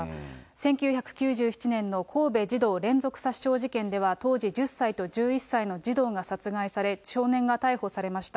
１９９７年の神戸児童連続殺傷事件では、当時１０歳と１１歳の児童が殺害され、少年が逮捕されました。